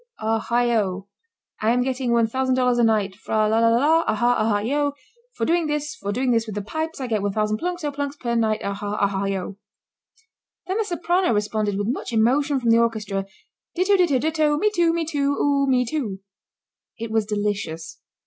aha eo! I am getting one thousand dollars a night tra la la la! aha! aha eo! For doing this, for doing this with the pipes I get one thousand plunks oh plunks per night aha! aha eo!" Then the soprano responded with much emotion from the orchestra, "Ditto, ditto, ditto! me too, me too! oo oo me too!" It was delicious.